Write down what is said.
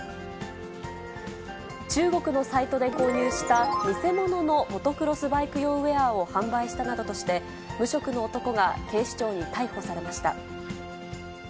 中国のサイトで購入した偽物のモトクロスバイク用ウエアを販売したなどとして、無職の男が警視庁に逮捕されました。